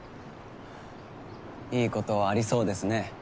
いいことありそうですね。